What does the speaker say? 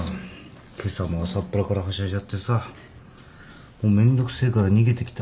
今朝も朝っぱらからはしゃいじゃってさもうめんどくせえから逃げてきた。